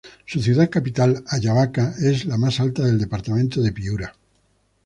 Su ciudad capital, Ayabaca, es la más alta del departamento de Piura.